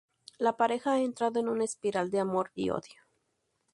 La pareja ha entrado en una espiral de amor y odio.